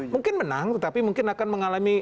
mungkin menang tetapi mungkin akan mengalami